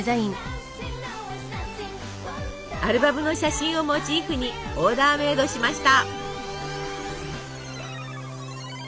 アルバムの写真をモチーフにオーダーメードしました。